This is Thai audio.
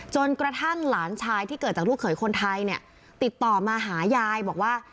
จนกระทั่งหลานชายที่เกิดจากลูกเขยคนไทยเนี่ยติดต่อมาหายายบอกว่า